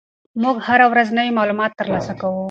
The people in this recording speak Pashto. موږ هره ورځ نوي معلومات ترلاسه کوو.